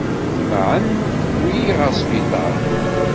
Temɛen, tewwi-yi ɣer sbiṭar.